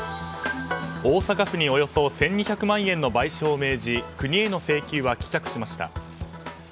大阪府におよそ１２００万円の賠償を命じ国への請求は棄却しました。